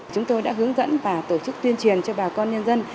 chúng tôi đã hướng dẫn và tổ chức tuyên truyền cho bà con nhân dân